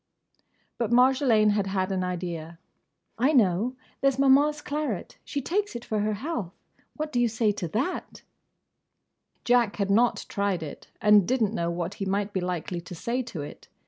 But Marjolaine had had an idea. "I know! There 's Maman's claret. She takes it for her health. What do you say to that?" Jack had not tried it, and did n't know what he might be likely to say to it.